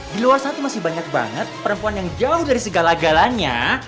di luar sana masih banyak banget perempuan yang jauh dari segala galanya